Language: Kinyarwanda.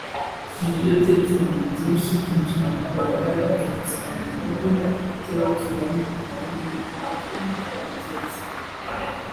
Ibiyobyabyenge byinshi byinjira mu Rwanda biturutse mu bihugu by’abaturanyi umubare munini wabyo ukajya mu mujyi wa Kigali